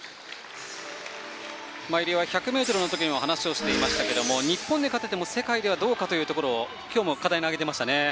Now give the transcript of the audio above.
入江は１００ｍの時にも話をしていましたけれども日本で勝てても世界ではどうかというところ今日も課題に挙げていましたね。